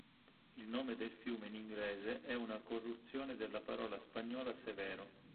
Il nome del fiume in inglese è una corruzione della parola spagnola "severo".